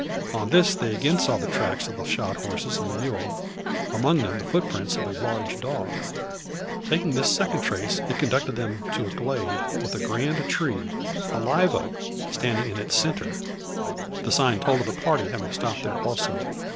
On this they again saw the tracks of the shod horses and mule; among them the foot prints of a large dog. Taking this second trace it conducted them to a glade, with a grand tree, a live oak, standing in its centre. The sign told of the party having stopped there also.